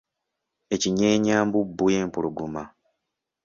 Ekinyeenyambubbu ye mpologoma.